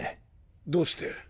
どうして？